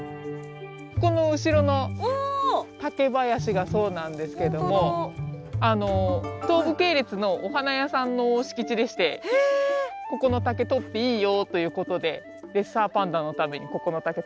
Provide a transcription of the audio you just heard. この後ろの竹林がそうなんですけども東武系列のお花屋さんの敷地でして「ここの竹とっていいよ」ということでレッサーパンダのためにここの竹とらせてもらってます。